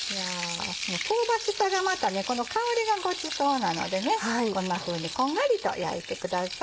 香ばしさがまたこの香りがごちそうなのでねこんなふうにこんがりと焼いてください。